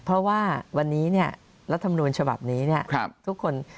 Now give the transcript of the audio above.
เพราะว่าวันนี้เนี่ยรัฐธรรมนูลฉบับนี้ทุกคน